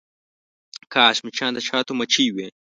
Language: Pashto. کاش مچان د شاتو مچۍ وی.